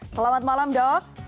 selamat malam dok